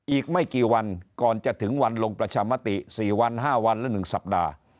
อีกไม่กี่วันก่อนจะถึงวันลงประชามติ๔วัน๕วันหรือ๑สัปดาห์